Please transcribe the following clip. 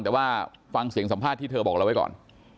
อาจจะว่าฟังเสียงสัมภาษณ์ที่เธอบอกแล้วไว้ก่อน